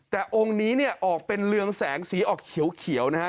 แต่องค์นี้เนี่ยออกเป็นเรืองแสงสีออกเขียวนะฮะ